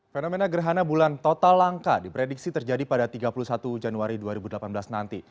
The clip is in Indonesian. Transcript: fenomena gerhana bulan total langka diprediksi terjadi pada tiga puluh satu januari dua ribu delapan belas nanti